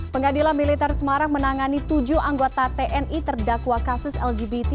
pengadilan militer semarang menangani tujuh anggota tni terdakwa kasus lgbt